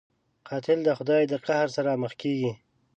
قاتل د خدای د قهر سره مخ کېږي